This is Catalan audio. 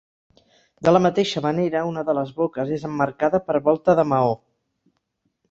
De la mateixa manera, una de les boques és emmarcada per volta de maó.